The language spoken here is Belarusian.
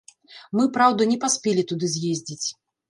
Мы, праўда, не паспелі туды з'ездзіць.